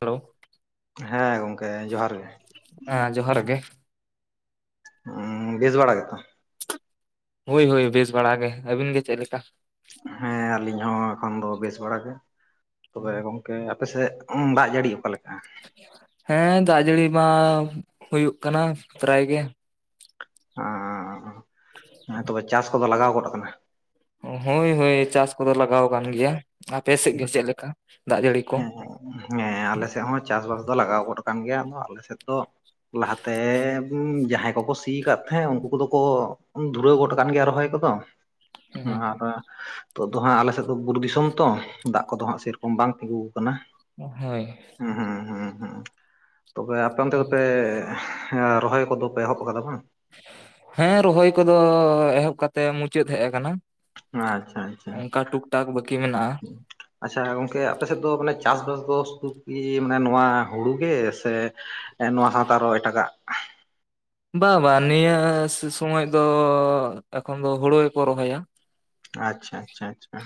Hello. ᱦᱮᱸ ᱜᱚᱝᱠᱮ ᱡᱚᱦᱟᱨ ᱜᱮ᱾ ᱦᱮᱸ ᱡᱚᱦᱟᱨ ᱜᱮ᱾ ᱦ ᱵᱮᱥ ᱵᱟᱲᱟ ᱜᱮᱛᱚ? ᱦᱳᱭ ᱦᱳᱭ ᱵᱮᱥ ᱵᱟᱲᱟᱜ ᱜᱮ᱾ ᱟᱹᱵᱤᱱ ᱜᱮ ᱪᱮᱫ ᱞᱮᱠᱟ? ᱦᱮᱸ ᱟᱹᱞᱤᱧ ᱦᱚᱸ ᱮᱠᱷᱚᱱ ᱫᱚ ᱵᱮᱥ ᱵᱟᱲᱟ ᱜᱮ᱾ ᱛᱚᱵᱮ ᱜᱚᱝ ᱠᱮ ᱟᱯᱮᱥᱮᱫ ᱫᱟᱜ ᱡᱟᱹᱲᱤ ᱚᱠᱟᱞᱮ ᱞᱮᱠᱟ? ᱦᱮᱸ ᱫᱟᱜ ᱡᱟᱹᱲᱤ ᱢᱟᱻ ᱦᱩᱭᱩᱜ ᱠᱟᱱᱟ ᱯᱨᱟᱭ ᱜᱮ᱾ ᱦ ᱦᱮᱸ ᱛᱚᱵᱮ ᱪᱟᱥ ᱠᱚᱫᱚ ᱞᱟᱜᱟᱣ ᱜᱚᱫ ᱠᱟᱱᱟ? ᱦᱳᱭ ᱦᱳᱭ ᱪᱟᱥ ᱠᱚᱫᱚ ᱞᱟᱜᱟᱣ ᱟᱠᱟᱱ ᱜᱮᱭᱟ᱾ ᱟᱯᱮ ᱥᱮᱫ ᱜᱮ ᱪᱮᱫᱞᱮ ᱞᱮᱠᱟ ᱫᱟᱜ ᱡᱟᱹᱲᱤ ᱠᱚ? ᱦᱮᱸ ᱦᱮᱸ ᱟᱞᱮ ᱥᱮᱫ ᱦᱚᱸ ᱪᱟᱥᱵᱟᱥ ᱫᱚ ᱞᱟᱜᱟᱣ ᱜᱚᱫ ᱠᱟᱱ ᱜᱮᱭᱟ ᱟᱞᱮ ᱥᱮᱫ ᱫᱚ ᱞᱟᱦᱟᱛᱮ ᱡᱟᱦᱟᱸᱭ ᱠᱚᱠᱚ ᱥᱤ ᱠᱫ᱾ ᱛᱟᱦᱮᱸ, ᱩᱱᱠᱩ ᱠᱚᱫᱚ ᱠᱚ ᱫᱷᱩᱨᱟᱹᱣ ᱜᱚᱫ ᱟᱠᱟᱱ ᱜᱮᱭᱟ ᱨᱚᱦᱚᱭ ᱠᱚᱫᱚ᱾ᱟᱨ ᱦᱮᱸ ᱱᱤᱛ ᱫᱚ ᱦᱟᱸᱜ ᱟᱞᱮ ᱥᱮᱫ ᱫᱚ ᱵᱩᱨᱩ ᱫᱤᱥᱚᱢ ᱛᱚ, ᱫᱟᱜ ᱠᱚᱫᱚ ᱦᱟᱸᱜ ᱥᱮᱨᱚᱠᱚᱢ ᱵᱟᱝ ᱛᱤᱸᱜᱩ ᱟᱠᱟᱱᱟ᱾ ᱦᱳᱭ᱾ ᱦᱩᱸ ᱦᱩᱸ ᱦᱩᱸ ᱦᱩᱸ ᱛᱚᱵᱮ ᱟᱯᱮ ᱚᱱᱛᱮ ᱫᱚᱯᱮ ᱦᱮᱸ ᱨᱚᱦᱚᱭ ᱠᱚᱫᱚ ᱯᱮ ᱮᱦᱚᱵ ᱟᱠᱟᱫᱟ ᱵᱟᱝ! ᱦᱮᱸ ᱨᱚᱦᱚᱭ ᱠᱚᱫᱚ ᱮᱦᱚᱵ ᱠᱟᱛᱮ ᱢᱩᱪᱟ. ᱫ ᱦᱮᱡ ᱟᱠᱟᱱᱟ᱾ ᱟᱪᱪᱷᱟ ᱟᱪᱪᱷᱟ ᱚᱱᱠᱟ ᱴᱩᱠ ᱴᱟᱠ ᱵᱟᱠᱤ ᱢᱮᱱᱟᱜᱼᱟ᱾ ᱟᱪᱪᱷᱟ ᱜᱚᱝᱠᱮ ᱟᱯᱮ ᱥᱮᱫ ᱫᱚ ᱢᱟᱱᱮ ᱪᱟᱥᱼᱵᱟᱥ ᱫᱚ ᱥᱩ- ᱠᱤ ᱢᱟᱱᱮ ᱱᱚᱣᱟ ᱦᱩᱲᱩ ᱜᱮ! ᱥᱮ ᱱᱚᱣᱟ ᱥᱟᱶᱛᱟ ᱟᱨᱚ ᱮᱴᱟᱜᱟᱜ᱾ ᱵᱟᱝ ᱵᱟᱝ ᱱᱤᱭᱟᱹ ᱥᱩᱼᱥᱚᱢᱚᱭ ᱫᱚ ᱮᱠᱷᱚᱱ ᱫᱚ ᱦᱩᱲᱩ ᱜᱮᱠᱚ ᱨᱚᱦᱚᱭᱟ᱾ ᱟᱪᱪᱷᱟ ᱟᱪᱪᱷᱟ ᱟᱪᱪᱷᱟ᱾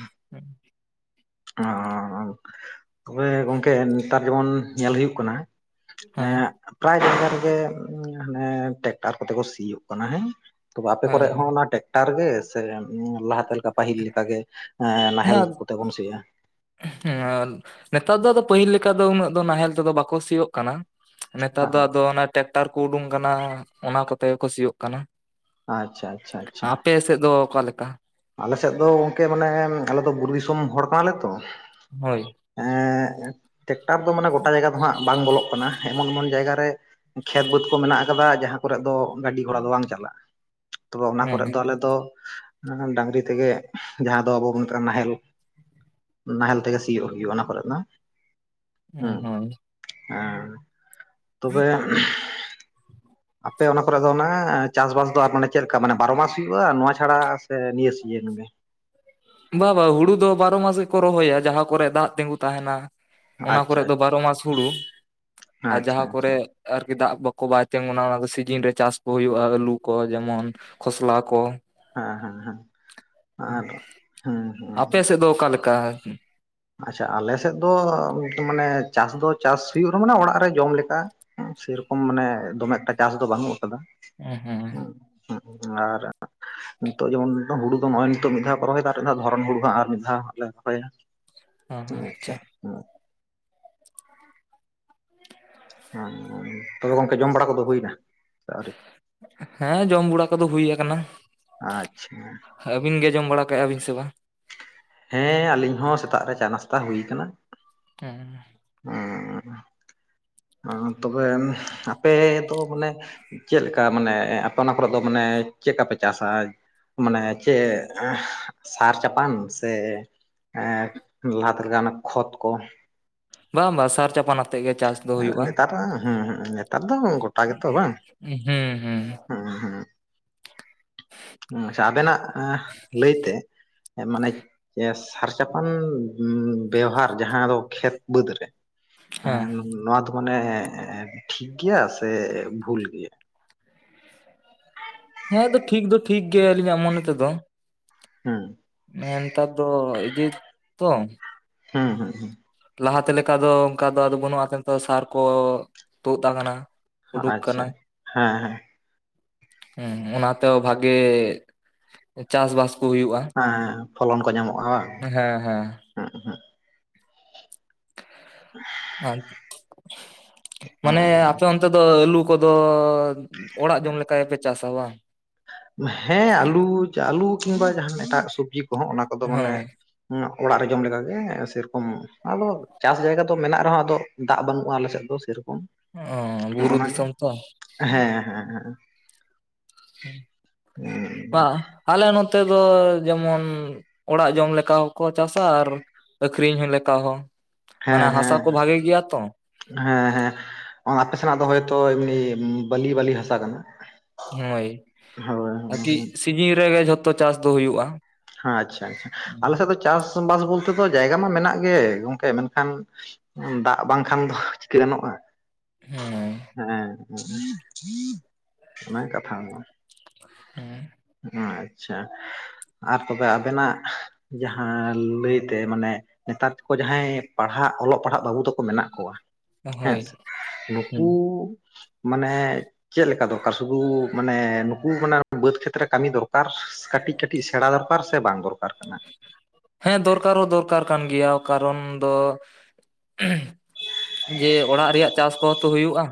ᱳᱸᱻᱛᱚᱵᱮ ᱜᱳᱝᱠᱮ ᱱᱮᱛᱟᱨ ᱡᱮᱢᱚᱱ ᱧᱮᱞ ᱦᱩᱭᱩᱜ ᱠᱟᱱᱟ, ᱦᱮᱸ ᱮᱸᱜ, ᱯᱨᱟᱭ ᱡᱟᱭᱜᱟ ᱨᱮᱜᱮ ᱢᱟᱱᱮ ᱴᱮᱠᱴᱟᱨ ᱠᱚᱛᱮ ᱠᱚ ᱥᱤᱭᱳᱜ ᱠᱟᱱᱟ ᱦᱮᱸ᱾ ᱛᱚᱵᱮ ᱟᱯᱮ ᱦᱳᱭ ᱠᱚᱨᱮᱜ ᱦᱚᱸ ᱚᱱᱟ ᱴᱮᱠᱴᱟᱨ ᱜᱮ ᱥᱮ ᱞᱟᱦᱟᱛᱮ ᱞᱮᱠᱟ ᱯᱟᱹᱦᱤᱞ ᱞᱮᱠᱟ ᱜᱮ ᱱᱟᱦᱮᱞ ᱦᱮᱸ ᱠᱚᱛᱮ ᱵᱚᱱ ᱥᱤ ᱭᱟ᱾ ᱦᱮᱸ ᱱᱮᱛᱟᱨ ᱫᱚ ᱟᱫᱚ ᱯᱟᱹᱦᱤᱞ ᱞᱮᱠᱟ ᱫᱚ ᱩᱱᱟᱹᱜ ᱫᱚ ᱱᱟᱦᱮᱞ ᱛᱮᱫᱚ ᱵᱟᱠᱚ ᱥᱤᱭᱳᱜ ᱠᱟᱱᱟ᱾ ᱱᱮᱛᱟᱨ ᱫᱚ ᱟᱫᱚ ᱚᱱᱟ ᱴᱨᱟᱠᱴᱟᱨ ᱠᱚ ᱩᱰᱩᱝ ᱠᱟᱱᱟ ᱚᱱᱟ ᱠᱚᱛᱮ ᱜᱮᱠᱚ ᱥᱤᱭᱳᱜ ᱠᱟᱱᱟ᱾ ᱟᱪᱪᱷᱟ ᱟᱪᱪᱷᱟ ᱟᱪᱪᱷᱟ ᱟᱯᱮ ᱥᱮ ᱫᱚ ᱚᱠᱟ ᱞᱮᱠᱟ? ᱟᱞᱮ ᱥᱮᱫ ᱫᱚ ᱜᱚᱢᱠᱮ ᱢᱟᱱᱮ ᱟᱞᱮ ᱫᱚ ᱵᱩᱨᱩ ᱫᱤᱥᱚᱢ ᱦᱚᱲ ᱠᱟᱱᱟᱞᱮ ᱛᱚ ᱦᱳᱭ᱾ ᱴᱮᱠᱴᱟᱨ ᱫᱚ ᱢᱟᱱᱮ ᱜᱚᱴᱟ ᱡᱟᱭᱜᱟ ᱫᱚ ᱦᱟᱸᱜ ᱵᱟᱝ ᱵᱚᱞᱚᱜ ᱠᱟᱱᱟ᱾ ᱮᱢᱚᱱ ᱮᱢᱚᱱ ᱡᱟᱭᱜᱟ ᱨᱮ ᱠᱷᱮᱛ ᱵᱟᱹᱫᱽ ᱠᱚ ᱢᱮᱱᱟᱜ ᱟᱠᱟᱫᱟ ᱡᱟᱦᱟᱸ ᱠᱚᱨᱮᱜ ᱫᱚ ᱜᱟᱹᱰᱤ ᱜᱷᱚᱲᱟ ᱫᱚ ᱵᱟᱝ ᱪᱟᱞᱟᱜᱼᱟ᱾ ᱛᱚᱵᱮ ᱚᱱᱟ ᱦᱮᱸ ᱠᱚᱨᱮᱜ ᱫᱚ ᱟᱞᱮ ᱫᱚ ᱢᱟᱱᱮ ᱰᱟᱝᱨᱤ ᱛᱮᱜᱮ ᱡᱟᱦᱟᱸ ᱫᱚ ᱟᱵᱚ ᱵᱚᱱ ᱢᱮᱛᱟᱜᱼᱟ ᱱᱟᱦᱮᱞ ᱱᱟᱦᱮᱞ ᱛᱮᱜᱮ ᱥᱤᱭᱳᱜ ᱦᱩᱭᱩᱜᱼᱟ ᱚᱱᱟ ᱠᱚᱨᱮ ᱫᱚ᱾ ᱦᱩᱸ ᱦᱚᱭ᱾ ᱦᱮᱸ ᱛᱚᱵᱮ, ᱟᱯᱮ ᱚᱱᱟ ᱠᱚᱨᱮ ᱫᱚ ᱳᱱᱟ ᱪᱟᱥᱵᱟᱥ ᱫᱚ ᱢᱟᱱᱮ ᱪᱮᱫ ᱞᱮᱠᱟ ᱢᱟᱱᱮ ᱵᱟᱨᱚ ᱢᱟᱥ ᱦᱩᱭᱩᱜᱼᱟ ᱱᱚᱣᱟ ᱪᱷᱟᱲᱟ ᱥᱮ ᱥᱮ ᱱᱤᱭᱟ. [unintelligible] ᱵᱟᱼᱵᱟᱝ ᱦᱩᱲᱩ ᱫᱚ ᱵᱟᱨᱚ ᱢᱟᱥ ᱜᱮᱠᱚ ᱨᱚᱦᱚᱭᱟ᱾ ᱡᱟᱦᱟᱸ ᱠᱚᱨᱮ ᱫᱟᱜ ᱛᱤᱸᱜᱩ ᱛᱟᱦᱮᱱᱟ ᱚᱱᱟ ᱟᱪᱪᱷᱟ ᱠᱚᱨᱮ ᱫᱚ ᱵᱟᱨᱚ ᱢᱟᱥ ᱦᱩᱲᱩ᱾ᱟᱨ ᱟᱪᱪᱷᱟ ᱟᱪᱪᱷᱟ ᱡᱟᱦᱟᱸ ᱟᱪᱪᱷᱟ ᱠᱚᱨᱮ ᱟᱨᱠᱤ ᱫᱟᱜ ᱵᱟᱠᱚ ᱵᱟᱭ ᱛᱤᱸᱜᱩᱱᱟ ᱚᱱᱟ ᱥᱤᱡᱤᱱ ᱨᱮ ᱪᱟᱥ ᱠᱚ ᱦᱩᱭᱩᱜᱼᱟ, ᱟᱹᱞᱩ ᱠᱚ ᱡᱮᱢᱚᱱ- ᱠᱷᱚᱥᱞᱟ ᱠᱚ, ᱦᱮᱸ ᱦᱮᱸ ᱦᱮᱸ ᱟᱨ ᱦᱮᱸ ᱦᱩᱸ ᱾ ᱟᱯᱮ ᱥᱮᱫ ᱫᱚ ᱚᱠᱟ ᱞᱮᱠᱟ? ᱟᱪᱪᱷᱟ ᱟᱞᱮ ᱥᱮᱫ ᱫᱚ ᱢᱟᱱᱮ ᱪᱟᱥ ᱫᱚ ᱪᱟᱥ ᱦᱩᱭᱩᱜ ᱨᱮ ᱢᱟᱱᱮ ᱚᱲᱟᱜ ᱨᱮ ᱡᱚᱢ ᱞᱮᱠᱟ᱾ ᱥᱮᱨᱚᱠᱚᱢ ᱢᱟᱱᱮ ᱫᱚᱢᱮ ᱮᱠᱴᱟ ᱪᱟᱥ ᱫᱚ ᱵᱟᱹᱱᱩᱜ ᱟᱠᱟᱫᱟ᱾ ᱩᱸ ᱦᱩᱸ᱾ ᱦᱚᱸᱜ ᱟᱨ ᱱᱤᱛᱚᱜ ᱡᱮᱢᱚᱱ ᱦᱩᱲᱩ ᱫᱚ ᱱᱚᱜᱼᱚᱭ ᱱᱤᱛᱚᱜ ᱢᱤᱫ ᱫᱷᱟᱣ ᱠᱚ ᱨᱚᱦᱚᱭ ᱫᱟ, ᱟᱨ ᱢᱤᱫ ᱫᱷᱟᱣ ᱫᱷᱚᱨᱚᱱ ᱦᱩᱲᱩ ᱦᱟᱸᱜ ᱟᱨ ᱢᱤᱫ ᱫᱷᱟᱣ ᱞᱮ ᱨᱚᱦᱚᱭᱟ ᱾ ᱟᱪᱪᱷᱟ, ᱦᱮᱸ ᱾ ᱦᱮᱸᱻ ᱛᱚᱵᱮ ᱜᱚᱝᱠᱮ ᱡᱚᱢ ᱵᱟᱲᱟ ᱠᱚᱫᱚ ᱦᱩᱭᱱᱟ? ᱥᱮ ᱟᱹᱣᱨᱤ ᱦᱮᱸ ᱡᱚᱢ ᱵᱩᱲᱟ ᱠᱚᱫᱚ ᱦᱩᱭ ᱟᱠᱟᱱᱟ ᱟᱪᱪᱷᱟ ᱾ ᱟᱹᱵᱤᱱ ᱜᱮ ᱡᱚᱢ ᱵᱟᱲᱟ ᱠᱟᱜᱼᱮ ᱵᱤᱱ ᱥᱮ ᱵᱟᱝ? ᱦᱮᱸ ᱟᱞᱤᱧ ᱦᱚᱸ ᱥᱮᱛᱟᱜ ᱨᱮ ᱪᱟ ᱱᱟᱥᱛᱟ ᱦᱩᱭ ᱠᱟᱱᱟ ᱾ ᱚᱸᱻ ᱦᱚᱸᱻ ᱚᱸ ᱛᱚᱵᱮ ᱟᱯᱮ ᱟᱹᱛᱩ ᱦᱚᱸ ᱵᱚᱞᱮ ᱪᱮᱫᱞᱮᱠᱟ ᱢᱟᱱᱮ ᱟᱯᱮ ᱚᱱᱟ ᱠᱚᱨᱮᱜ ᱫᱚ ᱢᱟᱱᱮ ᱪᱮᱫᱠᱟ ᱯᱮ ᱪᱟᱥᱟ? ᱢᱟᱱᱮ ᱪᱮᱜ ᱮᱸ ᱥᱟᱨ ᱪᱟᱯᱟᱱ ᱥᱮ ᱮᱸ ᱞᱟᱦᱟ ᱛᱮ ᱞᱮᱠᱟᱱᱟᱜ ᱠᱷᱚᱛ ᱠᱚ? ᱵᱟᱝ ᱵᱟᱝ ᱥᱟᱨ ᱪᱟᱯᱟᱱ ᱟᱛᱮᱜ ᱜᱮ ᱪᱟᱥ ᱫᱚ ᱦᱩᱭᱩᱜᱼᱟ᱾ ᱱᱮᱛᱟᱨ ᱦᱮᱸ ᱱᱮᱛᱟᱨ ᱫᱚ ᱜᱚᱴᱟ ᱜᱮᱛᱚ ᱵᱟᱝ? ᱦᱩᱸ ᱦᱩᱸ ᱦᱩᱸ ᱦᱩᱸ ᱟᱪᱪᱷᱟ ᱟᱵᱮᱱᱟᱜ ᱟᱸ ᱞᱟᱹᱭᱛᱮ ᱮᱸ ᱢᱟᱱᱮ ᱮᱥ ᱥᱟᱨᱥᱟ ᱠᱷᱚᱱ ᱵᱮᱣᱦᱟᱨ ᱡᱟᱦᱟᱸ ᱫᱚ ᱠᱷᱮᱛ ᱵᱟᱹᱫᱽ ᱨᱮ ᱦᱮᱸ, ᱱᱚᱣᱟ ᱫᱚ ᱢᱟᱱᱮ ᱴᱷᱤᱠ ᱜᱮᱭᱟ ᱥᱮ ᱵᱷᱩᱞ ᱜᱮᱭᱟ? ᱦᱮᱸ ᱟᱫᱚ ᱴᱷᱤᱠ ᱫᱚ ᱴᱷᱤᱠ ᱜᱮᱭᱟ ᱟᱹᱞᱤᱧᱟᱜ ᱢᱚᱱᱮ ᱛᱮᱫᱚ᱾ ᱦᱩᱸ ᱱᱮᱸᱛᱟᱨ ᱫᱚ ᱤᱡᱤᱯ ᱛᱚ ᱦᱩᱸ ᱦᱩᱸ ᱦᱩᱸ᱾ ᱞᱟᱦᱟᱛᱮ ᱞᱮᱠᱟ ᱫᱚ ᱚᱝᱠᱟ ᱫᱚ ᱟᱫᱚ ᱵᱟᱹᱱᱩᱜᱼᱟ ᱠᱤᱱᱛᱚ ᱥᱟᱨ ᱠᱚ ᱛᱩᱫ ᱟᱠᱟᱱᱟ᱾ ᱩᱰᱩᱠ ᱠᱟᱱᱟ ᱟᱪᱪᱷᱟ ᱦᱮᱸ ᱦᱮᱸ᱾ ᱦᱩᱸ ᱚᱱᱟᱛᱮ ᱦᱚᱸ ᱵᱷᱟᱜᱮ ᱪᱟᱥ ᱵᱟᱥ ᱠᱚ ᱦᱩᱭᱩᱜᱼᱟ᱾ ᱦᱮᱸ ᱯᱷᱚᱞᱚᱱ ᱠᱚ ᱧᱟᱢᱚᱜᱼᱟ ᱵᱟᱝ, ᱦᱮᱸ ᱦᱮᱸ᱾ ᱦᱩᱸ ᱦᱩᱸ [inaudible] ᱢᱟᱱᱮ ᱦᱩᱸ ᱟᱯᱮ ᱚᱱᱛᱮ ᱫᱚ ᱟᱹᱞᱩ ᱠᱚᱫᱚ ᱚᱲᱟᱜ ᱡᱚᱢ ᱞᱮᱠᱟ ᱜᱮᱯᱮ ᱪᱟᱥᱟ ᱵᱟᱝ? ᱦᱮᱸ ᱟᱹᱞᱩ ᱟᱹᱞᱩ ᱠᱤᱢᱵᱟ ᱡᱟᱦᱟᱸᱱ ᱮᱴᱟᱜ ᱥᱚᱵᱽᱡᱤ ᱠᱚᱦᱚᱸ ᱚᱱᱟ ᱠᱚᱫᱚ ᱢᱟᱱᱮ ᱦᱮᱸ ᱦᱩᱸ ᱚᱲᱟᱜ ᱨᱮ ᱡᱚᱢ ᱞᱮᱠᱟᱜᱮ ᱥᱮᱨᱚᱠᱚᱢ, ᱟᱫᱚ ᱪᱟᱥ ᱡᱟᱭᱜᱟ ᱫᱚ ᱢᱮᱱᱟᱜ ᱨᱮᱦᱚᱸ ᱟᱫᱚ ᱫᱟᱜᱽ ᱵᱟᱹᱱᱩᱜᱼᱟ ᱟᱞᱮᱥᱮᱜ ᱫᱚ ᱥᱮᱨᱚᱠᱚᱢ᱾ ᱚ ᱵᱩᱨᱩ ᱦᱚᱸᱜᱼᱱᱟ ᱜᱮ, ᱫᱤᱥᱚᱢ ᱛᱚ ᱦᱮᱸ ᱦᱮᱸ ᱦᱮᱸ ᱦᱩᱸ, [unintelligible] ᱢᱟ ᱟᱞᱮ ᱱᱚᱛᱮ ᱫᱚ ᱡᱮᱢᱚᱱ ᱚᱲᱟᱜ ᱡᱚᱢ ᱞᱮᱠᱟ ᱦᱚᱸᱠᱚ ᱪᱟᱥᱟ ᱟᱨ ᱟᱹᱠᱷᱨᱤᱧ ᱦᱚᱸ ᱞᱮᱠᱟ ᱦᱚᱸ᱾ ᱢᱟᱱᱮ ᱦᱮᱸ ᱦᱟᱥᱟ ᱦᱮᱸ ᱠᱚ ᱵᱷᱟᱜᱮ ᱜᱮᱭᱟ ᱛᱚ ᱦᱮᱸ᱾ ᱦᱮᱸ ᱦᱮᱸ ᱚᱸ ᱟᱯᱮ ᱥᱮᱱᱟᱜ ᱫᱚ ᱦᱚᱭᱛᱚ ᱮᱢᱱᱤ ᱵᱟᱹᱞᱤ ᱵᱟᱹᱞᱤ ᱦᱟᱥᱟ ᱠᱟᱱᱟ᱾ ᱦᱳᱭ, ᱦᱳᱭ ᱟᱨᱠᱤ ᱥᱤᱡᱤᱱ ᱨᱮᱜᱮ ᱡᱷᱚᱛᱚ ᱪᱟᱥ ᱫᱚ ᱦᱩᱭᱩᱜᱼᱟ᱾ ᱟᱪᱪᱷᱟ, ᱟᱞᱮ ᱥᱮᱜ ᱫᱚ ᱪᱟᱥ ᱵᱟᱥ ᱵᱚᱞᱛᱮ ᱫᱚ ᱡᱟᱭᱜᱟ ᱢᱟ ᱢᱮᱱᱟᱜ ᱜᱮ ᱜᱚᱝᱠᱮ ᱢᱮᱱᱠᱷᱟᱱ, ᱫᱟᱜᱽ ᱵᱟᱝᱠᱷᱟᱱ ᱫᱚ ᱪᱤᱠᱟᱹ ᱜᱟᱱᱚᱜᱼᱟ᱾ ᱦᱮᱸ ᱦᱮᱸ ᱦᱮᱸ, ᱚᱱᱟᱜᱮ ᱠᱟᱛᱷᱟ ᱫᱚ᱾ ᱦᱩᱸ, ᱚᱸ ᱟᱪᱪᱷᱟ, ᱟᱨ ᱛᱚᱵᱮ ᱟᱵᱮᱱᱟᱜ ᱡᱟᱦᱟᱸ ᱞᱟᱹᱭᱛᱮ ᱢᱟᱱᱮ ᱱᱮᱛᱟᱨ ᱠᱚ ᱡᱟᱦᱟᱸᱭ ᱯᱟᱲᱦᱟᱜ ᱚᱞᱚᱜ ᱯᱟᱲᱦᱟᱜ ᱵᱟᱹᱵᱩ ᱛᱟᱠᱚ ᱢᱮᱱᱟᱜ ᱠᱚᱣᱟ ᱦᱮᱸ ᱥᱮ᱾ ᱱᱩᱠᱩ ᱢᱟᱱᱮ ᱪᱮᱫ ᱞᱮᱠᱟ ᱫᱚᱨᱠᱟᱨ ᱥᱩᱫᱩ ᱢᱟᱱᱮ ᱱᱩᱠᱩ ᱢᱟᱱᱮ ᱵᱟᱹᱫᱽ ᱠᱷᱮᱛᱨᱮ ᱠᱟᱹᱢᱤ ᱫᱚᱨᱠᱟᱨ? ᱠᱟᱹᱴᱤᱜ ᱠᱟᱹᱴᱤᱜ ᱥᱮᱬᱟ ᱫᱚᱨᱠᱟᱨ ᱥᱮ ᱵᱟᱝ ᱫᱚᱨᱠᱟᱨ ᱠᱟᱱᱟ? ᱦᱮᱸ ᱫᱚᱨᱠᱟᱨ ᱦᱚᱸ ᱫᱚᱨᱠᱟᱨ ᱠᱟᱱ ᱜᱮᱭᱟ᱾ ᱠᱟᱨᱚᱱ ᱫᱚ ᱡᱮ ᱚᱲᱟᱜ ᱨᱮᱭᱟᱜ ᱪᱟᱥ ᱠᱚᱦᱚᱸ ᱛᱚ ᱦᱩᱭᱩᱜᱼᱟ᱾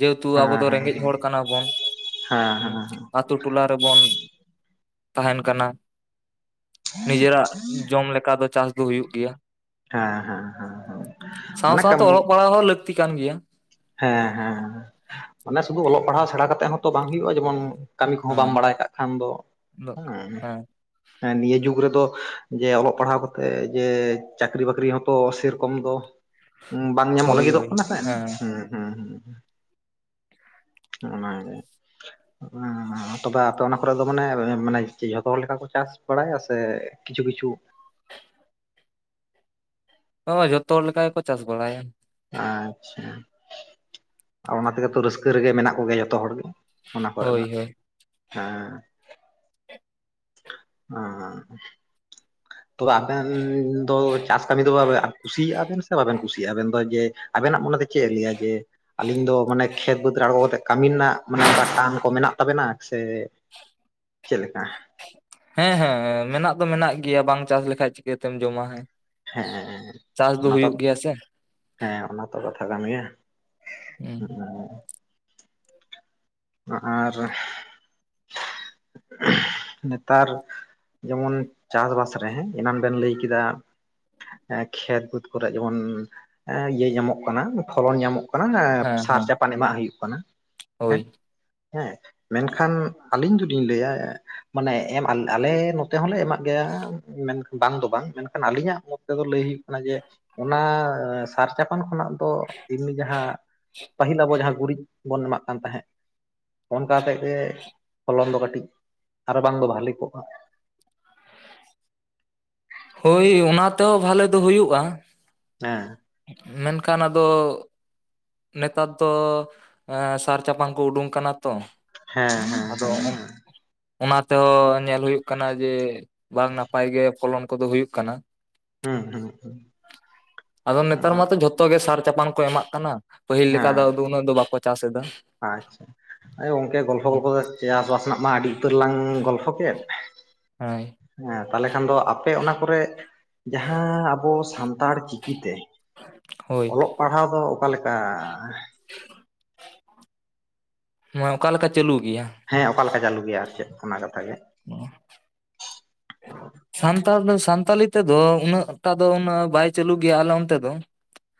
ᱡᱮᱦᱮᱛᱩ ᱟᱵᱚ ᱦᱮᱸ ᱫᱚ ᱦᱮᱸ ᱨᱮᱸᱜᱮᱡ ᱦᱚᱲ ᱠᱟᱱᱟ ᱵᱚᱱ ᱦᱮᱸ ᱦᱩᱸ᱾ ᱟᱹ ᱛᱩ ᱴᱚᱞᱟ ᱨᱮᱵᱚᱱ ᱛᱟᱦᱮᱸᱱ ᱠᱟᱱᱟ᱾ ᱱᱤᱡᱮᱨᱟᱜ ᱡᱚᱢ ᱞᱮᱠᱟ ᱫᱚ ᱪᱟᱥ ᱫᱚ ᱦᱩᱭᱩᱜ ᱜᱮᱭᱟ᱾ ᱦᱮᱸ ᱦᱮᱸ ᱦᱮᱸ ᱦᱮᱸ ᱢᱟᱱᱮ ᱥᱟᱶᱼᱥᱟᱶᱛᱮ ᱠᱟᱹᱢᱤ ᱚᱞᱚᱜ ᱯᱟᱲᱦᱟᱜ ᱦᱚᱸ ᱞᱟᱹᱠᱛᱤ ᱠᱟᱱ ᱜᱮᱭᱟ᱾ ᱦᱮᱸ ᱦᱮᱸ ᱦᱮᱸ ᱢᱟᱱᱮ ᱥᱩᱫᱩ ᱚᱞᱚᱜ ᱯᱟᱲᱦᱟᱣ ᱥᱮᱬᱟ ᱠᱟᱛᱮ ᱦᱚᱸ-ᱼ ᱵᱟᱝ ᱦᱩᱭᱩᱜᱼᱟ ᱡᱮᱢᱚᱱ ᱦᱮᱸ ᱠᱟᱹᱢᱤ ᱠᱚᱦᱚᱸ ᱵᱟᱢ ᱵᱟᱲᱟᱭ ᱠᱟᱜ ᱠᱷᱟᱱ ᱫᱚ ᱫᱚ ᱦᱩᱸ᱾ ᱦᱮᱸ ᱱᱤᱭᱟᱹ ᱡᱩᱜᱽ ᱨᱮᱫᱚ ᱡᱮ ᱚᱞᱚᱜ ᱯᱟᱲᱦᱟᱣ ᱠᱟᱛᱮᱜ ᱡᱮ ᱪᱟᱹᱠᱨᱤ ᱵᱟᱹᱠᱨᱤ ᱦᱚᱸᱛᱚ ᱥᱮᱨᱚᱠᱚᱢ ᱫᱚ ᱵᱟᱝ ᱧᱟᱢᱚᱜ ᱦᱳᱭ ᱞᱟᱹᱜᱤᱫᱚᱜ ᱦᱳᱭ ᱠᱟᱱᱟ ᱠᱟᱱᱟ ᱦᱮᱸ ᱥᱮ ᱦᱩᱸ ᱦᱩᱸ ᱦᱩᱸ᱾ ᱚᱱᱟ ᱜᱮ᱾ ᱦᱩᱸ ᱛᱚᱵᱮ ᱟᱯᱮ ᱚᱱᱟ ᱠᱚᱨᱮ ᱫᱚ ᱢᱟᱱᱮ ᱢᱟᱱᱮ ᱡᱷᱚᱛᱚ ᱦᱚᱲ ᱞᱮᱠᱟ ᱠᱚ ᱪᱟᱥ ᱵᱟᱲᱟᱭᱟ ᱥᱮ ᱠᱤᱪᱷᱩ ᱠᱤᱪᱷᱩ? ᱦᱳᱭ ᱡᱷᱚᱛᱚ ᱦᱚᱲ ᱞᱮᱠᱟ ᱜᱮᱠᱚ ᱪᱟᱥ ᱵᱟᱲᱟᱭᱟ᱾ ᱟᱪᱷᱟ, ᱚᱱᱟ ᱛᱮᱜᱮ ᱛᱚ ᱨᱟᱹᱥᱠᱟᱹ ᱨᱮᱜᱮ ᱢᱮᱱᱟᱜ ᱠᱚᱜᱮᱭᱟ ᱡᱚᱛᱚ ᱦᱚᱲᱜᱮ? ᱚᱱᱟ ᱠᱚᱨᱮ ᱦᱳᱭ ᱫᱚ? ᱦᱳᱭ ᱦᱮᱸ᱾ ᱦᱚᱸ ᱛᱚᱵᱮ ᱟᱵᱮᱱ ᱫᱚ ᱪᱟᱥ ᱠᱟᱹᱢᱤ ᱫᱚ [inaudible] ᱠᱩᱥᱤᱭᱟᱜᱼᱟ ᱵᱮᱱ ᱥᱮ ᱵᱟᱵᱮᱱ ᱠᱩᱥᱤᱭᱟᱜᱼᱟ ᱟᱵᱮᱱ ᱫᱚ ᱡᱮ ᱟᱵᱮᱱᱟᱜ ᱢᱚᱱᱮ ᱫᱚ ᱪᱮᱫ ᱮ ᱞᱟᱹᱭᱟ ᱡᱮ? ᱟᱹᱞᱤᱧ ᱫᱚ ᱢᱟᱱᱮ ᱠᱷᱮᱛ ᱵᱟᱹᱫᱽ ᱟᱬᱜᱚ ᱠᱟᱛᱮᱜ ᱠᱟᱹᱢᱤ ᱨᱮᱱᱟᱜ ᱢᱟᱱᱮ ᱴᱟᱱ ᱠᱚ ᱢᱮᱱᱟᱜ ᱛᱟᱵᱮᱱᱟ ᱥᱮ ᱪᱮᱫ ᱞᱮᱠᱟ? ᱦᱮᱸ ᱦᱮᱸ, ᱢᱮᱱᱟᱜ ᱫᱚ ᱢᱮᱱᱟᱜ ᱜᱮᱭᱟ ᱵᱟᱝ ᱪᱟᱥ ᱞᱮᱠᱷᱟᱡ ᱪᱤᱠᱟᱹᱛᱮᱢ ᱡᱚᱢᱟ ᱦᱮᱸ᱾ ᱦᱮᱸ ᱪᱟᱥ ᱫᱚ ᱚᱱᱟ ᱛᱚ ᱦᱩᱭᱩᱜ ᱜᱮᱭᱟ ᱥᱮ᱾ ᱦᱮᱸ ᱚᱱᱟ ᱛᱚ ᱠᱟᱛᱷᱟ ᱠᱟᱱ ᱜᱮᱭᱟ᱾ ᱦᱮᱸ᱾ ᱦᱩᱸ ᱟᱨ [inaudible] ᱱᱮᱛᱟᱨ ᱡᱮᱢᱚᱱ ᱪᱟᱥᱵᱟᱥ ᱨᱮ ᱮᱱᱟᱱ ᱵᱮᱱ ᱞᱟᱹᱭ ᱠᱮᱫᱟ ᱠᱷᱮᱛ ᱵᱟᱹᱫᱽ ᱠᱚᱨᱮ ᱡᱮᱢᱚᱱ ᱮᱸ ᱤᱭᱟᱹ ᱧᱟᱢᱚᱜ ᱠᱟᱱᱟ ᱯᱷᱚᱞᱚᱱ ᱧᱟᱢᱚᱜ ᱠᱟᱱᱟ᱾ ᱦᱮᱸ ᱥᱟᱨ ᱦᱮᱸ ᱪᱟᱯᱟᱱ ᱮᱢᱟᱜ ᱦᱩᱭᱩᱜ ᱠᱟᱱᱟ᱾ ᱦᱳᱭ᱾ ᱦᱮᱸ, ᱢᱮᱱᱠᱷᱟᱱ ᱟᱹᱞᱤᱧ ᱫᱚᱞᱤᱧ ᱞᱟᱹᱭᱟ ᱢᱟᱱᱮ ᱮᱢ ᱟᱞ ᱟᱞᱮ ᱱᱚᱛᱮ ᱦᱚᱸᱞᱮ ᱮᱢᱟᱜ ᱜᱮᱭᱟ ᱢᱮᱱᱠᱷᱟᱱ ᱵᱟᱝ ᱫᱚ ᱵᱟᱝ ᱢᱮᱱᱠᱷᱟᱱ ᱟᱹᱞᱤᱧᱟᱜ ᱛᱮᱫᱚ ᱞᱟᱹᱭ ᱦᱩᱭᱩᱜ ᱠᱟᱱᱟ ᱡᱮ ᱚᱱᱟ ᱥᱟᱨ ᱪᱟᱯᱟᱱ ᱠᱷᱚᱱᱟᱜ ᱫᱚ ᱮᱢᱱᱤ ᱡᱟᱦᱟᱸ ᱯᱟᱹᱦᱤᱞ ᱟᱵᱚ ᱡᱟᱦᱟᱸ ᱜᱩᱨᱤᱡ ᱵᱚᱱ ᱮᱢᱟᱜ ᱠᱟᱱ ᱛᱟᱦᱮᱸᱫ᱾ ᱚᱱᱠᱟ ᱛᱮᱜᱮ ᱯᱷᱚᱞᱚᱱ ᱫᱚ ᱠᱟᱹᱴᱤᱡ ᱟᱨᱵᱟᱝ ᱫᱚ ᱵᱷᱟᱞᱤ ᱠᱚᱜᱼᱟ? ᱦᱳᱭ ᱚᱱᱟ ᱛᱮᱦᱚᱸ ᱵᱷᱟᱞᱮ ᱫᱚ ᱦᱩᱭᱩᱜᱼᱟ᱾ ᱦᱮᱸ᱾ ᱢᱮᱱᱠᱷᱟᱱ ᱟᱫᱚ ᱱᱮᱛᱟᱨ ᱫᱚ ᱮᱻ ᱥᱟᱨ ᱪᱟᱯᱟᱝ ᱠᱚ ᱩᱰᱩᱝ ᱠᱟᱱᱟ ᱛᱚ ᱦᱮᱸ ᱦᱮᱸ ᱟᱫᱚ ᱦᱮᱸ ᱩᱝᱠᱼᱼ ᱦᱮᱸ ᱚᱱᱟ ᱛᱮᱦᱚᱸ ᱧᱮᱞ ᱦᱩᱭᱩᱜ ᱠᱟᱱᱟ ᱡᱮ ᱵᱟᱝ ᱱᱟᱯᱟᱭᱜᱮ ᱯᱷᱚᱞᱚᱱ ᱠᱚᱫᱚ ᱦᱩᱭᱩᱜ ᱠᱟᱱᱟ᱾ ᱦᱩᱸ ᱦᱩᱸ ᱦᱩᱸ᱾ ᱟᱫᱚ ᱱᱮᱛᱟᱨ ᱢᱟᱛᱚ ᱡᱷᱚᱛᱚ ᱜᱮ ᱥᱟᱨ ᱪᱟᱯᱟᱱ ᱠᱚ ᱮᱢᱟᱜ ᱠᱟᱱᱟ ᱯᱟᱹᱦᱤᱞ ᱞᱮᱠᱟ ᱦᱮᱸ ᱫᱚ ᱟᱫᱚ ᱩᱱᱟᱹᱜ ᱫᱚ ᱵᱟᱠᱚ ᱪᱟᱥ ᱮᱫᱟ᱾ ᱟᱪᱪᱷᱟ, ᱦᱚᱜ-ᱚᱭ ᱜᱚᱝᱠᱮ ᱜᱚᱞᱯᱷᱚ ᱜᱚᱞᱯᱷᱚ ᱫᱚ ᱪᱟᱥᱵᱟᱥ ᱨᱮᱱᱟᱜ ᱢᱟ ᱟᱹᱰᱤ ᱩᱛᱟᱹᱨ ᱞᱟᱝ ᱜᱚᱞᱯᱷᱚ ᱠᱮᱫ᱾ ᱦᱟᱹᱭ᱾ ᱦᱮᱸ ᱛᱟᱦᱚᱞᱮ ᱠᱷᱟᱱ ᱫᱚ ᱟᱯᱮ ᱚᱱᱟ ᱠᱚᱨᱮ ᱡᱟᱦᱟᱸ ᱟᱵᱚ ᱥᱟᱱᱛᱟᱲ ᱪᱤᱠᱤᱛᱮ ᱦᱳᱭ ᱚᱞᱚᱜ ᱯᱟᱲᱦᱟᱣ ᱫᱚ ᱚᱠᱟᱞᱮᱠᱟ? ᱚᱠᱟᱞᱮᱠᱟ ᱪᱟᱹᱞᱩ ᱜᱮᱭᱟ? ᱦᱮᱸ ᱚᱠᱟ ᱞᱮᱠᱟ ᱪᱟᱹᱞᱩ ᱜᱮᱭᱟ ᱟᱨ ᱪᱮᱫ ᱚᱱᱟ ᱠᱟᱛᱷᱟ ᱜᱮ᱾ ᱚᱸ ᱥᱟᱱᱛᱟᱲ ᱫᱚ ᱥᱟᱱᱛᱟᱞᱤ ᱛᱮᱫᱚ ᱩᱱᱟᱹᱜ ᱴᱟ ᱫᱚ ᱩᱱᱟᱹᱜ ᱵᱟᱭ ᱪᱟᱹᱞᱩ ᱜᱮᱭᱟ ᱟᱞᱮ ᱚᱱᱛᱮ ᱫᱚᱼᱼ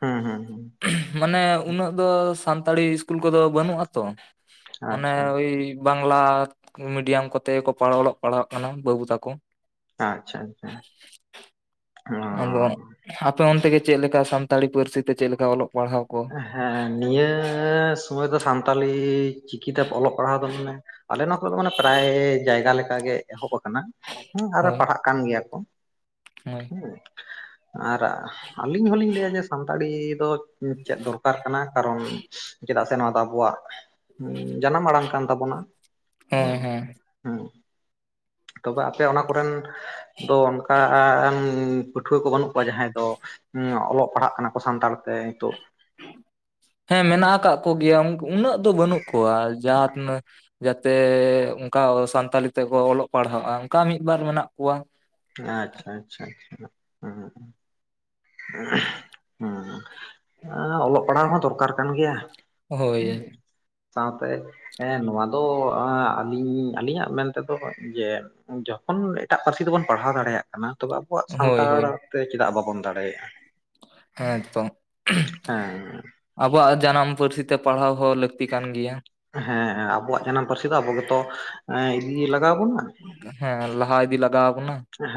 ᱦᱩᱸ ᱦᱩᱸ ᱦᱩᱸ ᱢᱟᱱᱮ ᱩᱱᱟᱹᱜ ᱫᱚ ᱥᱟᱱᱛᱟᱲᱤ ᱤᱥᱠᱩᱞ ᱠᱚᱫᱚ ᱵᱟᱱᱩᱜ ᱟᱛᱚ᱾ ᱢᱟᱱᱮ ᱟᱪᱪᱷᱟ ᱳᱭᱼᱼ ᱵᱟᱝᱞᱟ ᱢᱤᱰᱤᱭᱟᱢ ᱠᱚᱛᱮ ᱠᱚ ᱚᱞᱚᱜ ᱯᱟᱲᱦᱟᱜ ᱠᱟᱱᱟ ᱵᱟᱹᱵᱩ ᱛᱟᱠᱚᱼᱼ ᱟᱪᱪᱷᱟ ᱟᱪᱪᱷᱟ ᱚᱼᱼ ᱟᱫᱚ ᱟᱯᱮ ᱚᱱᱛᱮᱜᱮ ᱪᱮᱫ ᱞᱮᱠᱟ ᱥᱟᱱᱛᱟᱲᱤ ᱯᱟᱹᱨᱥᱤ ᱛᱮ ᱪᱮᱫ ᱞᱮᱠᱟ ᱚᱞᱚᱜ ᱯᱟᱲᱦᱟᱣ ᱠᱚᱼᱼ ᱦᱮᱸ ᱱᱤᱭᱟᱹ ᱥᱚᱢᱚᱭ ᱫᱚ ᱥᱟᱱᱛᱟᱞᱤ ᱪᱤᱠᱤ ᱛᱮ ᱚᱞᱚᱜ ᱯᱟᱲᱦᱟᱣ ᱫᱚ ᱢᱟᱱᱮᱼᱼ ᱟᱞᱮ ᱱᱚᱣᱟ ᱠᱚᱨᱮ ᱫᱚ ᱢᱟᱱᱮ ᱯᱨᱟᱭ ᱡᱟᱭᱜᱟ ᱞᱮᱠᱟᱜ ᱜᱮ ᱮᱦᱚᱵ ᱟᱠᱟᱱᱟ᱾ ᱦᱮᱸ ᱟᱨᱦᱚ ᱯᱟᱲᱦᱟᱜ ᱠᱟᱱ ᱜᱮᱭᱟ ᱠᱚ᱾ ᱦᱚᱭ ᱦᱮᱸ ᱟᱨ ᱟᱞᱤᱧ ᱦᱚᱞᱤᱧ ᱞᱟᱹᱭ ᱡᱮ ᱥᱟᱱᱛᱟᱲᱤ ᱫᱚᱼᱼ ᱪᱮᱫ ᱫᱚᱨᱠᱟᱨ ᱠᱟᱱᱟ ᱠᱟᱨᱚᱱ ᱪᱮᱫᱟᱜ ᱥᱮ ᱱᱚᱣᱟ ᱫᱚ ᱟᱵᱚᱼᱼ ᱟᱵᱚᱣᱟᱜ ᱡᱟᱱᱟᱢ ᱟᱲᱟᱝ ᱠᱟᱱ ᱛᱟᱵᱚᱱᱟ ᱦᱮᱸ ᱦᱩᱸ ᱦᱮᱸ ᱦᱩᱸᱼᱼ ᱛᱚᱵᱮ ᱟᱯᱮ ᱚᱱᱟ ᱠᱚᱨᱮᱱ ᱫᱚ ᱚᱱᱠᱟᱼᱼ ᱯᱟᱹᱴᱷᱩᱣᱟᱹ ᱠᱚ ᱵᱟᱹᱱᱩᱜ ᱠᱚᱣᱟ ᱡᱟᱦᱟᱸᱭ ᱫᱚ ᱚᱞᱚᱜ ᱯᱟᱲᱦᱟᱜ ᱠᱟᱱᱟ ᱠᱚ ᱥᱟᱱᱛᱟᱲ ᱛᱮ ᱱᱤᱛᱚᱜᱼᱼ ᱦᱮᱸ ᱢᱮᱱᱟᱜ ᱟᱠᱟᱫ ᱠᱚᱜᱮᱭᱟ ᱩᱱᱟᱹᱜ ᱫᱚ ᱵᱟᱹᱱᱩᱜ ᱠᱚᱣᱟ ᱡᱟᱦᱟᱸ ᱛᱤᱱᱟᱹᱜᱼᱼ ᱡᱟᱛᱮ ᱚᱱᱠᱟ ᱥᱟᱱᱛᱟᱞᱤ ᱛᱮᱠᱚ ᱚᱞᱚᱜ ᱯᱟᱲᱦᱟᱜᱼᱟ ᱚᱱᱠᱟ ᱢᱤᱫ ᱵᱟᱨ ᱢᱮᱱᱟᱜ ᱠᱚᱣᱟ᱾ ᱟᱸ ᱟᱪᱪᱷᱟ ᱟᱪᱪᱷᱟ ᱟᱪᱪᱷᱟ ᱦᱩᱸ ᱦᱩᱸ ᱚᱞᱚᱜ ᱯᱟᱲᱦᱟᱣ ᱦᱚᱸ ᱫᱚᱨᱠᱟᱨ ᱠᱟᱱ ᱜᱮᱭᱟ᱾ ᱦᱮ ᱦᱳᱭ ᱥᱟᱣ ᱛᱮᱼᱼ ᱦᱮᱸ ᱱᱚᱣᱟ ᱫᱚ ᱟᱹᱞᱤᱧ ᱟᱹᱞᱤᱧ ᱟᱹᱞᱤᱧ ᱟᱜ ᱢᱮᱱ ᱛᱮᱫᱚ ᱡᱮᱼᱼ ᱡᱚᱠᱷᱚᱱ ᱮᱴᱟᱜ ᱯᱟᱹᱨᱥᱤ ᱛᱮᱵᱚᱱᱼᱼ ᱯᱟᱲᱦᱟᱣ ᱫᱟᱲᱮᱭᱟᱜ ᱠᱟᱱᱟ ᱛᱚᱵᱮ ᱟᱵᱚᱣᱟᱜ ᱦᱳᱭ ᱥᱟᱱᱛᱟᱲ ᱛᱮ ᱪᱮᱫᱟᱜ ᱵᱟᱵᱚᱱ ᱫᱟᱲᱮᱭᱟᱜ-ᱟ ᱮᱠᱫᱚᱢ [unintelligible] ᱦᱮᱸᱻ ᱟᱵᱚᱣᱟᱜ ᱡᱟᱱᱟᱢ ᱯᱟᱹᱨᱥᱤ ᱛᱮ ᱯᱟᱲᱦᱟᱣ ᱦᱚᱸ ᱞᱟᱹᱠᱛᱤ ᱠᱟᱱ ᱜᱮᱭᱟ᱾ ᱦᱮᱸ ᱟᱵᱚᱣᱟᱜ ᱡᱟᱱᱟᱢ ᱯᱟᱹᱨᱥᱤ ᱫᱚ ᱟᱵᱚ ᱜᱮᱛᱚ ᱤᱫᱤ ᱞᱟᱜᱟᱣ ᱵᱚᱱᱟ᱾ ᱦᱮᱸ ᱞᱟᱦᱟ ᱤᱫᱤ ᱞᱟᱜᱟᱣ ᱟᱵᱚᱱᱟ᱾ ᱦᱮᱸᱻ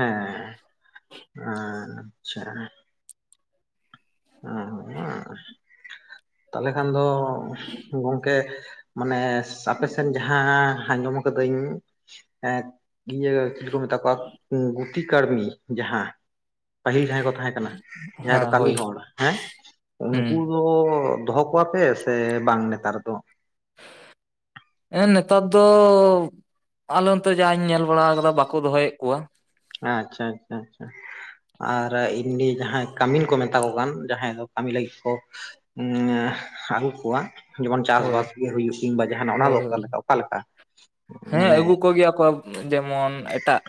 ᱟᱪᱪᱷᱟ᱾ ᱦᱮ ᱛᱟᱦᱞᱮ ᱠᱷᱟᱱ ᱫᱚ ᱜᱚᱝᱠᱮᱼᱼ ᱢᱟᱱᱮ ᱥᱟᱯᱮ ᱥᱮᱱ ᱡᱟᱦᱟᱸ ᱟᱸᱡᱚᱢ ᱠᱟᱹᱫᱟᱹᱧᱼᱼ ᱦᱮᱸ ᱤᱭᱟᱹ ᱪᱮᱫ ᱠᱚ ᱢᱮᱛᱟ ᱠᱚᱣᱟ ᱜᱩᱛᱤ ᱠᱟᱹᱲᱢᱤ ᱡᱟᱦᱟᱸᱼᱼ ᱯᱟᱹᱦᱤᱞ ᱡᱟᱦᱟᱸᱭ ᱠᱚ ᱛᱟᱦᱮᱸ ᱠᱟᱱᱟ ᱡᱟᱦᱟᱸᱭ ᱫᱚ ᱦᱮᱸ ᱠᱟᱹᱢᱤ ᱦᱳᱭ ᱦᱚᱲ᱾ ᱦᱮᱸ ᱦᱩᱸ ᱩᱱᱠᱩ ᱫᱚ ᱫᱚᱦᱚ ᱠᱚᱣᱟ ᱯᱮ ᱥᱮ ᱵᱟᱝ ᱱᱮᱛᱟᱨ ᱫᱚ? [inaudible] ᱦᱮᱸ ᱱᱮᱛᱟᱨ ᱫᱚ ᱟᱞᱮ ᱱᱚᱛᱮ ᱡᱟᱦᱟᱧ ᱧᱮᱞ ᱵᱟᱲᱟ ᱟᱠᱟᱫᱟ ᱵᱟᱠᱚ ᱫᱚᱦᱚᱭᱮᱜ ᱠᱚᱣᱟ᱾ ᱟᱪᱪᱷᱟ ᱟᱪᱪᱷᱟ ᱟᱪᱪᱷᱟ ᱟᱨ ᱮᱢᱱᱤ ᱡᱟᱦᱟᱸᱭ ᱠᱟᱹᱢᱤᱱ ᱠᱚ ᱢᱮᱛᱟ ᱠᱚ ᱠᱟᱱ ᱡᱟᱦᱟᱸᱭ ᱫᱚ ᱠᱟᱹᱢᱤ ᱞᱟᱹᱜᱤᱫ ᱠᱚᱼᱼ ᱩᱸᱻ ᱟᱜᱩ ᱠᱚᱣᱟ᱾ ᱡᱮᱢᱚᱱ ᱪᱟᱥ ᱦᱳᱭ ᱵᱟᱥ ᱜᱮ ᱦᱩᱭᱩᱜ ᱠᱤᱝᱵᱟ ᱡᱟᱦᱟᱱᱟᱜ ᱚᱱᱟ ᱫᱚ ᱦᱳᱭ ᱚᱠᱟ ᱦᱳᱭ ᱚᱠᱟ ᱞᱮᱠᱟ ᱢᱟᱱᱮᱼᱼ ᱠᱚ ᱜᱮᱭᱟ ᱠᱚ᱾ ᱡᱮᱢᱚᱱ ᱮᱴᱟᱜ,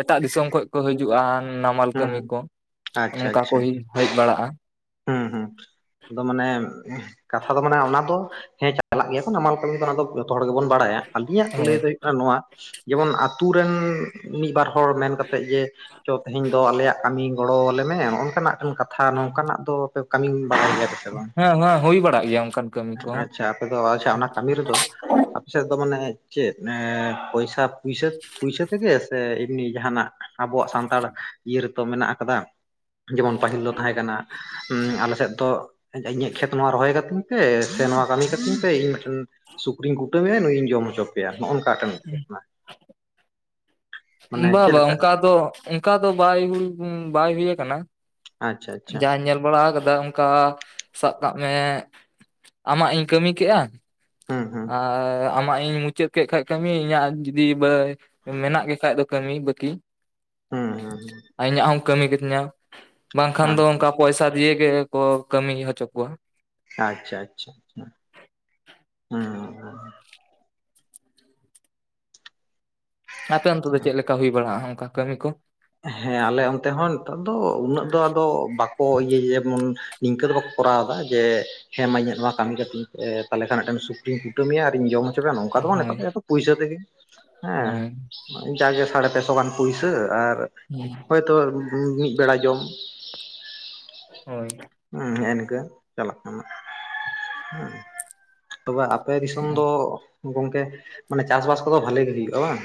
ᱮᱴᱟᱜ ᱫᱤᱥᱚᱢ ᱠᱷᱚᱡᱼᱼ ᱠᱚ ᱦᱤᱡᱩᱜᱼᱟ ᱱᱟᱢᱟᱞ ᱦᱮᱸ ᱠᱟᱹᱢᱤ ᱠᱚ, ᱟᱪᱪᱷᱟ ᱚᱱᱠᱟ ᱠᱚ ᱟᱪᱪᱷᱟ ᱦᱟ ᱦᱮᱡ ᱵᱟᱲᱟᱜᱼᱟ ᱾ ᱦᱩᱸ ᱦᱩᱸ ᱟᱫᱚ ᱢᱟᱱᱮ ᱠᱟᱛᱷᱟ ᱫᱚ ᱢᱟᱱᱮ ᱚᱱᱟ ᱫᱚ ᱦᱮᱸ ᱪᱟᱞᱟᱜ ᱜᱮᱭᱟ ᱠᱚ ᱱᱟᱢᱟᱞ ᱠᱟᱹᱢᱤ ᱫᱚ, ᱟᱫᱟ ᱡᱷᱚᱛᱚ ᱦᱚᱲ ᱜᱮᱵᱚᱱ ᱵᱟᱲᱟᱭᱟ, ᱟᱹᱞᱤᱧᱟᱜ ᱞᱟᱹᱭ ᱦᱮᱸ ᱫᱚ ᱦᱩᱭᱩᱜ ᱠᱟᱱᱟ ᱱᱚᱣᱟ, ᱡᱮᱢᱚᱱ ᱟᱛᱳ ᱨᱮᱱ ᱢᱤᱫ ᱵᱟᱨ ᱦᱚᱲ ᱢᱮᱱ ᱠᱟᱛᱮᱜ ᱡᱮ ᱪᱚ ᱛᱮᱦᱮᱧ ᱫᱚ ᱟᱞᱮᱭᱟᱜ ᱠᱟᱹᱢᱤ ᱜᱚᱲᱚᱣᱟᱞᱮ ᱢᱮ ᱱᱚ ᱱᱚᱝᱠᱟᱱᱟᱜ ᱠᱟᱛᱷᱟ ᱱᱚᱝᱠᱟᱱᱟᱜ ᱫᱚ ᱟᱯᱮ ᱠᱟᱹᱢᱤ ᱵᱟᱲᱟᱭ ᱜᱮᱭᱟ ᱯᱮ ᱥᱮ ᱵᱟᱝ? ᱦᱮᱸ ᱦᱮᱸ ᱦᱩᱭ ᱵᱟᱲᱟᱜ ᱜᱮᱭᱟ ᱚᱱᱠᱟᱱ ᱠᱟᱹᱢᱤ ᱠᱚᱦᱚᱸ ᱟᱪᱪᱷᱟ ᱟᱯᱮ ᱫᱚ ᱟᱪᱪᱷᱟ ᱚᱱᱥ ᱠᱟᱹᱢᱤ ᱨᱮᱫᱚ ᱟᱯᱮ ᱥᱮᱫ ᱫᱚ ᱢᱟᱱᱮ ᱪᱮᱫ ᱮ ᱯᱚᱭᱥᱟ ᱯᱩᱭᱥᱟᱹ ᱯᱩᱭᱥᱟᱹ ᱛᱮ ᱜᱮ ᱥᱮ ᱮᱢᱱᱤ ᱡᱟᱦᱟᱸᱱᱟᱜ ᱟᱵᱚᱣᱟᱜ ᱥᱟᱱᱛᱟᱲ ᱤᱭᱟᱹ ᱨᱮᱛᱚ ᱢᱮᱱᱟᱜ ᱠᱟᱫᱟ, ᱡᱮᱢᱚᱱ ᱯᱟᱹᱦᱤᱞ ᱫᱚ ᱛᱟᱦᱮᱸ ᱠᱟᱱᱟ ᱩᱸ ᱟᱞᱮ ᱥᱮᱫ ᱫᱚ ᱤᱧ ᱤᱧᱟᱹᱜ ᱠᱷᱮᱛ ᱱᱚᱣᱟ ᱨᱚᱦᱚᱭ ᱠᱟᱹᱛᱤᱧ ᱯᱮ ᱥᱮ ᱱᱚᱣᱟ ᱠᱟᱹᱢᱤ ᱠᱟᱹᱛᱤᱧ ᱯᱮ, ᱤᱧ ᱢᱤᱫᱴᱮᱱ ᱥᱩᱠᱨᱤᱧ ᱠᱩᱴᱟᱹᱢᱮᱭᱟ ᱱᱩᱭᱤᱧ ᱡᱚᱢ ᱦᱚᱪᱚ ᱯᱮᱭᱟ, ᱱᱚᱸᱜᱼᱚ ᱱᱚᱝᱠᱟᱴᱮᱱ ᱛᱟᱦᱮᱸ ᱠᱟᱱᱟ ᱾ ᱵᱟ ᱵᱟ ᱚᱝᱠᱟ ᱫᱚ ᱚᱝᱠᱟ ᱫᱚ ᱵᱟᱭ ᱦᱩᱭ ᱵᱟᱭ ᱦᱩᱭ ᱠᱟᱱᱟ, ᱟᱪᱪᱷᱟ ᱟᱪᱪᱷᱟ ᱡᱟᱭ ᱧᱮᱞ ᱵᱟᱲᱟ ᱠᱟᱫᱟ ᱠᱟ ᱥᱟᱵ ᱠᱟᱜ ᱢᱮ ᱟᱢᱟᱜ ᱤᱧ ᱠᱟᱹᱢᱤ ᱠᱮᱜᱼᱟ, ᱦᱩᱸ ᱦᱩᱸ ᱟᱣᱟᱜ ᱟᱢᱟᱜ ᱤᱧ ᱢᱩᱪᱟᱹᱫ ᱠᱮᱫ ᱠᱷᱟᱡ ᱠᱟᱹᱢᱤ, ᱤᱧᱟᱹᱜ ᱡᱩᱫᱤ ᱵᱟᱹ ᱢᱮᱱᱟᱜ ᱜᱮ ᱠᱷᱟᱡ ᱫᱚ ᱠᱟᱹᱢᱤ ᱵᱟᱹᱠᱤ ᱦᱩᱸ ᱦᱩᱸ ᱟᱧᱟᱜ ᱦᱚᱸᱢ ᱠᱟᱹᱢᱤ ᱠᱟᱹᱛᱤᱧᱟ ᱾ ᱵᱟᱝᱠᱷᱟᱱ ᱫᱚ ᱚᱝᱠᱟ ᱟᱪᱪᱷᱟ ᱯᱚᱭᱥᱟ ᱫᱤᱭᱮ ᱜᱮᱠᱚ ᱠᱟᱹᱢᱤ ᱦᱚᱪᱚ ᱠᱚᱣᱟ ᱾ ᱟᱪᱪᱷᱟ ᱟᱪᱪᱷᱟ ᱟᱪᱪᱷᱟ ᱦᱩᱸ᱾ ᱟᱯᱮ ᱚᱱᱛᱮ ᱫᱚ ᱪᱮᱫ ᱞᱮᱠᱟ ᱦᱩᱭ ᱵᱟᱲᱟᱜᱼᱟ ᱚᱱᱠᱟ ᱠᱟᱹᱢᱤ ᱠᱚ? ᱦᱮᱸ ᱟᱞᱮ ᱚᱱᱛᱮ ᱦᱚᱸ ᱱᱮᱛᱟᱨ ᱫᱚ ᱩᱱᱟᱹᱜ ᱫᱚ ᱟᱫᱚ ᱵᱟᱠᱚ ᱤᱭᱟᱹᱭᱟ ᱡᱮᱢᱚᱱ ᱱᱤᱝᱠᱟᱹ ᱫᱚ ᱵᱟᱠᱚ ᱠᱚᱨᱟᱣ ᱫᱟ ᱡᱮ ᱦᱮᱸ ᱢᱟ ᱱᱚᱣᱟ ᱤᱧᱟᱜ ᱠᱟᱹᱢᱤ ᱠᱟᱛᱤᱧ ᱮ ᱛᱟᱦᱚᱞᱮ ᱢᱤᱫᱴᱮᱱ ᱥᱩᱠᱨᱤᱧ ᱠᱩᱴᱟᱹᱢᱮᱭᱟ ᱟᱨᱤᱧ ᱡᱚᱢ ᱥᱮ [unintelligible] ᱱᱚᱝᱠᱟ ᱫᱚ ᱵᱟᱝ ᱦᱳᱭ ᱱᱤᱛᱚᱜ ᱡᱮ ᱯᱩᱭᱥᱟᱹ ᱛᱮᱜᱮ ᱦᱳᱭ ᱦᱮᱸ ᱡᱟᱜᱮ ᱥᱟᱲᱮ ᱯᱮ ᱥᱚ ᱜᱟᱱ ᱯᱩᱭᱥᱟᱹ ᱟᱨ ᱦᱮᱸ᱾ ᱛᱚ ᱢᱤᱫ ᱵᱮᱲᱟ ᱡᱚᱢ ᱾ ᱦᱳᱭ᱾ ᱦᱮᱸ ᱤᱝᱠᱟ ᱪᱟᱞᱟᱜ ᱠᱟᱱᱟ ᱦᱮᱸ ᱾ ᱛᱚᱵᱮ ᱟᱯᱮ ᱫᱤᱥᱚᱢ ᱫᱚ ᱜᱚᱝᱠᱮ ᱢᱟᱱᱮ ᱪᱟᱥᱼᱵᱟᱥ ᱠᱚᱫᱚ ᱵᱷᱟᱜᱤ ᱜᱮ ᱦᱩᱭᱩᱜᱼᱟ ᱵᱟᱝ?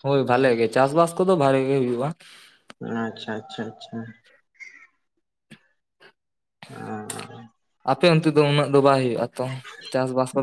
ᱦᱳᱭ ᱵᱷᱟᱞᱮ ᱜᱮ ᱪᱟᱥᱼᱵᱟᱥ ᱠᱚᱫᱚ ᱵᱷᱟᱜᱮ ᱜᱮ ᱦᱩᱭᱩᱜᱼᱟ ᱾ ᱟᱪᱪᱷᱟ ᱟᱪᱪᱷᱟ ᱟᱪᱪᱷᱟ᱾ ᱚ᱾ ᱟᱯᱮ ᱚᱱᱛᱮ ᱫᱚ ᱩᱱᱟᱹᱜ ᱫᱚ ᱵᱟᱭ ᱦᱩᱭᱩᱜᱼᱟ ᱛᱚ ᱪᱟᱥᱼᱵᱟᱥ ᱠᱚ?